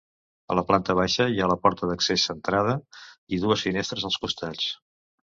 A la planta baixa hi ha la porta d'accés, centrada, i dues finestres als costats.